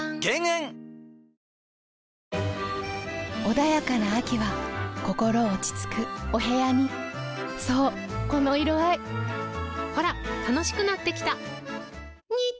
穏やかな秋は心落ち着くお部屋にそうこの色合いほら楽しくなってきた！